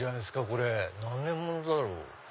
これ何年物だろう？